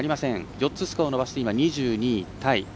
４つスコアを伸ばして２２位タイ。